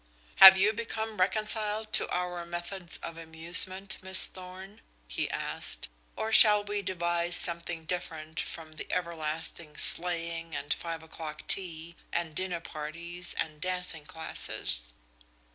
"Have you become reconciled to our methods of amusement, Miss Thorn?" he asked, "or shall we devise something different from the everlasting sleighing and five o'clock tea, and dinner parties and 'dancing classes'?"